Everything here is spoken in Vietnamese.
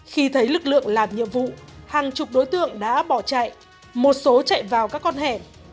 khi thấy lực lượng làm nhiệm vụ hàng chục đối tượng đã bỏ chạy một số chạy vào các con hẻm